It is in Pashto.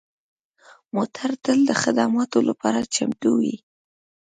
موټر تل د خدماتو لپاره چمتو وي.